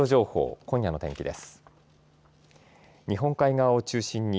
あすの天気です。